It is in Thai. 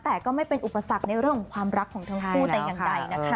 แต่ก็ไม่เป็นอุปสรรคในเรื่องความรักของเธอผู้แต่งกันไกลนะคะ